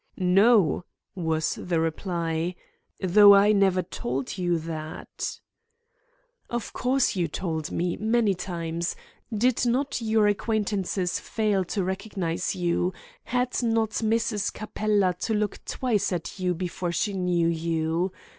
"No," was the reply, "though I never told you that." "Of course you told me, many times. Did not your acquaintances fail to recognise you? Had not Mrs. Capella to look twice at you before she knew you?